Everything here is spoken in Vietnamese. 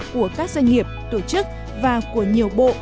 của các doanh nghiệp tổ chức và của nhiều bộ